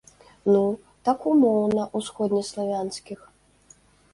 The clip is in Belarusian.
Ну, так умоўна ўсходнеславянскіх.